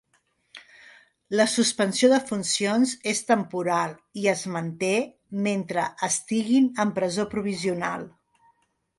La suspensió de funcions és temporal i es manté mentre estiguin en presó provisional.